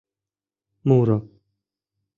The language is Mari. МУРО